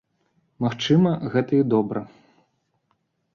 Магчыма, гэта і добра.